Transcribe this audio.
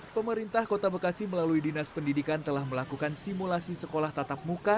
pemerintah kota bekasi melalui dinas pendidikan telah melakukan simulasi sekolah tatap muka